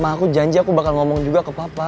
sama aku janji aku bakal ngomong juga ke papa